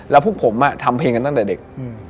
แล้วพวกผมทำเพลงกันตั้งแต่เด็ก